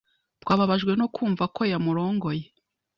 Twababajwe no kumva ko yamurongoye.